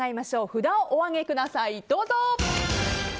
札をお上げください。